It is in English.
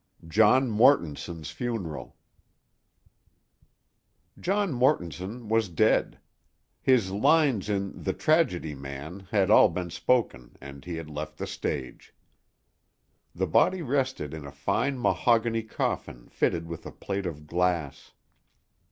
JOHN MORTONSON'S FUNERAL JOHN MORTONSON was dead: his lines in "the tragedy 'Man'" had all been spoken and he had left the stage. The body rested in a fine mahogany coffin fitted with a plate of glass.